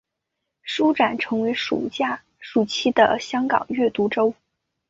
书展成为暑期的香港阅读周。